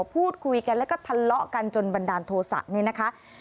พูดคุยกันแล้วก็ทะเลาะกันจนบันดาลโทษะนี่นะคะ